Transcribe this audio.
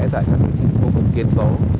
tại các khu vực kiên tố